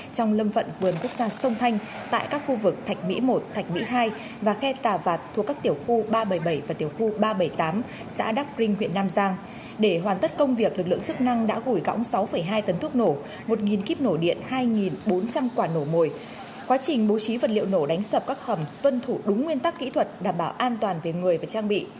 trong quá trình bố trí vật liệu nổ đánh sợp các khẩm vân thủ đúng nguyên tắc kỹ thuật đảm bảo an toàn về người và trang bị